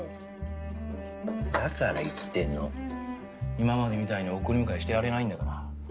今までみたいに送り迎えしてやれないんだから。